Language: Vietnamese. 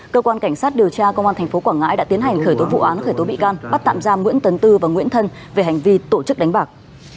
cơ quan cảnh sát điều tra công an tp quảng ngãi đã tiến hành khởi tố vụ án khởi tố bị can bắt tạm giam nguyễn tấn tư và nguyễn thân về hành vi tổ chức đánh bạc